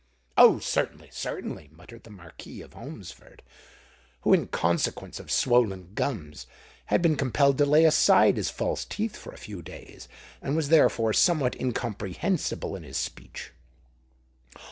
"Oh! certainly—certainly," muttered the Marquis of Holmesford, who, in consequence of swollen gums, had been compelled to lay aside his false teeth for a few days, and was therefore somewhat incomprehensible in his speech.